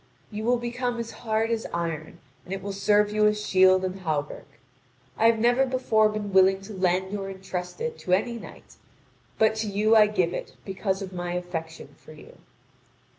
You will become as hard as iron, and it will serve you as shield and hauberk. I have never before been willing to lend or entrust it to any knight, but to you I give it because of my affection for you."